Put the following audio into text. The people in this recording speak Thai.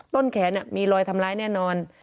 ต้นแขนมีรอยทำร้ายแน่นอน